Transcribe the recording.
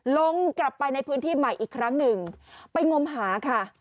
ลงกลับไปในพื้นที่ใหม่อีกครั้งหนึ่งไปงมหาค่ะ